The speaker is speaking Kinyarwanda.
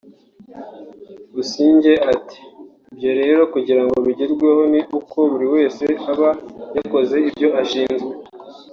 Busingye ati “ Ibyo rero kugira ngo bigerweho ni uko buri wese aba yakoze ibyo ashinzwe